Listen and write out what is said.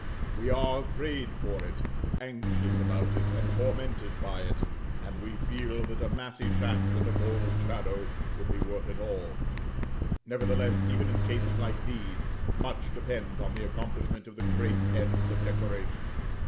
We are afraid for it, anxious about it, and tormented by it; and we feel that a massy shaft and a bold shadow would be worth it all. Nevertheless, even in cases like these, much depends on the accomplishment of the great ends of decoration.